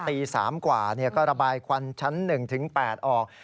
ตี๓กว่าก็ระบายควันชั้น๑ถึง๘ออก